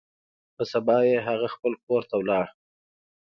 پر سبا يې هغه خپل کور ته ولاړ.